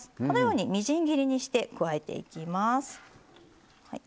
このようにみじん切りにして加えていきます。